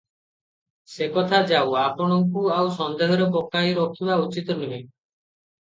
ସେକଥା ଯାଉ, ଆପଣଙ୍କୁ ଆଉ ସନ୍ଦେହରେ ପକାଇ ରଖିବା ଉଚିତନୁହେଁ ।